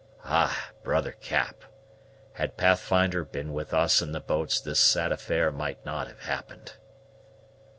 "Ah, brother Cap, had Pathfinder been with us in the boats this sad affair might not have happened!"